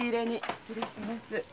失礼します。